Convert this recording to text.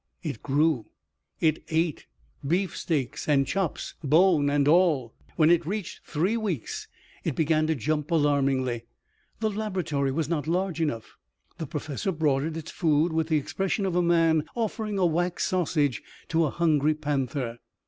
It grew. It ate beefsteaks and chops, bone and all. When it reached three weeks, it began to jump alarmingly. The laboratory was not large enough. The professor brought it its food with the expression of a man offering a wax sausage to a hungry panther.